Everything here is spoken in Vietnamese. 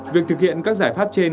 việc thực hiện các giải pháp trên